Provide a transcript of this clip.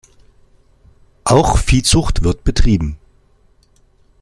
Auch Viehzucht wird betrieben.